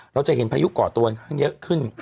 เราจะเห็นพายุก่อตัวเข้าถึงเก่าขึ้น